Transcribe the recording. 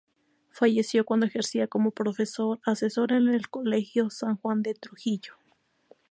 Falleció cuando ejercía como profesor asesor en el Colegio San Juan de Trujillo.